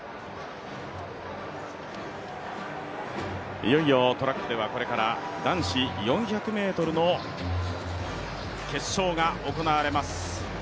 いよいよトラックではこれから男子４００ｍの決勝が行われます。